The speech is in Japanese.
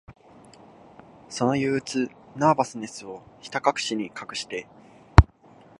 その憂鬱、ナーバスネスを、ひたかくしに隠して、